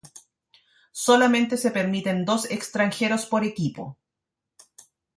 Solamente se permiten dos extranjeros por equipo.